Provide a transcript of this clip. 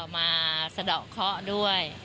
สะดอกเคาะด้วย